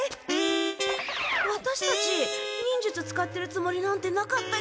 ワタシたち忍術使ってるつもりなんてなかったけど。